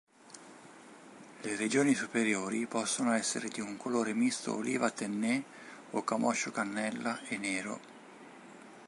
Le regioni superiori possono essere di un colore misto oliva-tenné o camoscio-cannella e nero.